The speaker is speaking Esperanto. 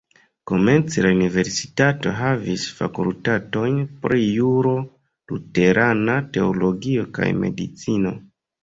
Komence la universitato havis fakultatojn pri juro, luterana teologio kaj medicino.